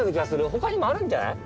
他にもあるんじゃない？